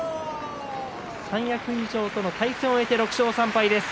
三役以上との対戦を終えて６勝３敗です。